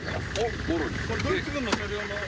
ドイツ軍の車両の。